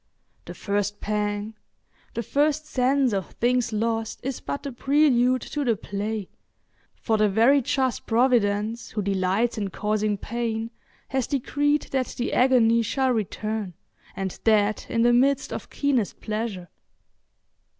The first pang—the first sense of things lost is but the prelude to the play, for the very just Providence who delights in causing pain has decreed that the agony shall return, and that in the midst of keenest pleasure.